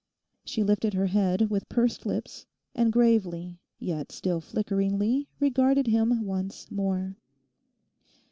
She lifted her head with pursed lips, and gravely yet still flickeringly regarded him once more.